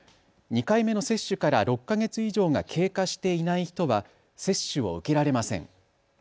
２回目の接種から６か月以上が経過していない人は接種を受けられません。